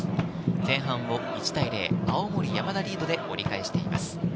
前半を１対０、青森山田リードで折り返しています。